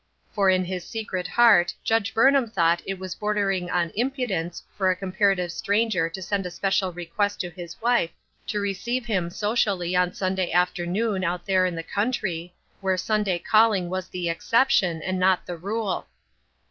For in his secret heart Judge Burnham thought that it was bordering on impu dence for a comparative stranger to send a special request to his wife to receive him socially on Sun day afternoon out there in the country, where Sunday calling was the exception, and not the rule.